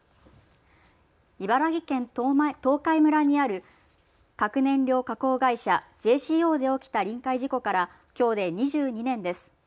茨城県東海村にある核燃料加工会社、ジェー・シー・オーで起きた臨界事故からきょうで２２年です。